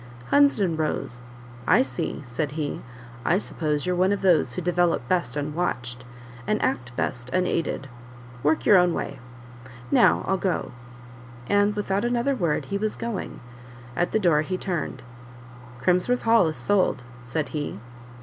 Hunsden rose: "I see," said he; "I suppose you're one of those who develop best unwatched, and act best unaided work your own way. Now, I'll go." And, without another word, he was going; at the door he turned: "Crimsworth Hall is sold," said he.